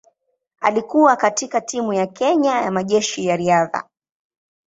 Alikuwa katika timu ya Kenya ya Majeshi ya Riadha.